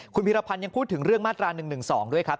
คุณพิรพันธ์ยังพูดถึงเรื่องมาตรา๑๑๒ด้วยครับ